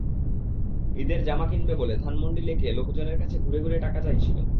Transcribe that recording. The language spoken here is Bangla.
ঈদের জামা কিনবে বলে ধানমন্ডি লেকে লোকজনের কাছে ঘুরে ঘুরে টাকা চাইছিল।